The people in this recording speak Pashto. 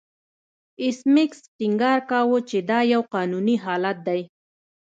ایس میکس ټینګار کاوه چې دا یو قانوني حالت دی